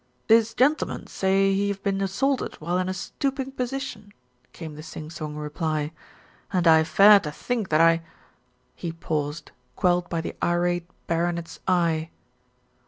"This gentleman say he have been assaulted while in a stoopin' position," came the sing song reply, "and I fare to think that I " He paused, quelled by the irate baronet's eye.